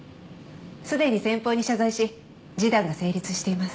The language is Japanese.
すでに先方に謝罪し示談が成立しています。